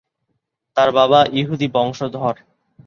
তার বাবা ইহুদী বংশধর।